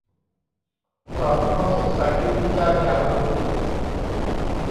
ตอบข้อสงสัยที่ลูกจ้างอยากรู้